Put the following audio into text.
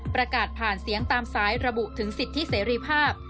ประกาศผ่านเสียงตามสายระบุถึงสิทธิเสรีภาพ